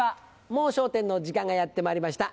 『もう笑点』の時間がやってまいりました。